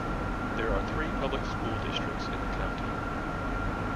There are three public school districts in the county.